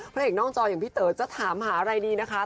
เอกนอกจออย่างพี่เต๋อจะถามหาอะไรดีนะคะ